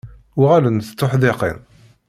Uɣalent d tuḥdiqin.